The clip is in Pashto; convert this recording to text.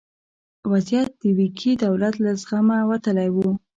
وضعیت د ویګي دولت له زغمه وتلی و.